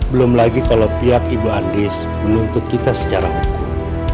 belum lagi kalau pihak ibu anis menuntut kita secara hukum